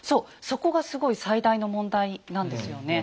そこがすごい最大の問題なんですよね。